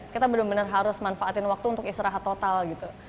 kita benar benar harus manfaatin waktu untuk istirahat total gitu